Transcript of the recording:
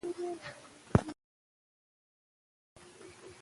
په ښوونځي کې د ماشومانو د استعدادونو تل پوره ملاتړ وکړئ.